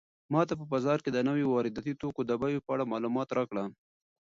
ماته په بازار کې د نويو وارداتي توکو د بیو په اړه معلومات راکړه.